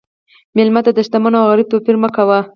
مېلمه ته د شتمن او غریب توپیر مه کوه.